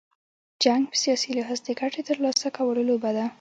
جنګ په سیاسي لحاظ، د ګټي تر لاسه کولو لوبه ده.